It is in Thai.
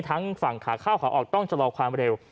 ทั้งฝั่งขาเข้าขาออกต้องชะลอความเร็ว